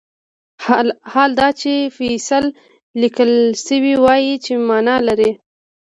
حال دا چې فصیل لیکل شوی وای چې معنی لري.